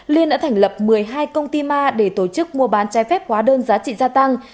liên đã thành lập một mươi hai công ty ma để tổ chức mua bán trái phép hóa đơn giá trị gia tăng